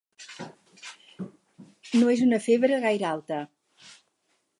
No és una febre gaire alta.